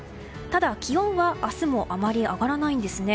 ただ、気温は明日もあまり上がらないんですね。